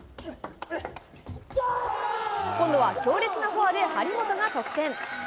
今度は強烈なフォアで張本が得点。